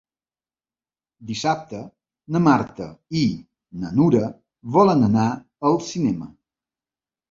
Dissabte na Marta i na Nura volen anar al cinema.